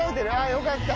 よかった。